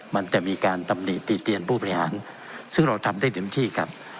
มันแต่มีการตำนีดตีเตียนผู้ประหารซึ่งเราทำได้ถึงที่ครับ